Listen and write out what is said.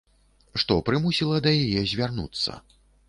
Што прымусіла да яе звярнуцца?